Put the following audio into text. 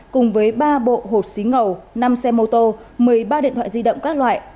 cùng với ba bộ hột xí ngầu năm xe mô tô một mươi ba điện thoại di động các loại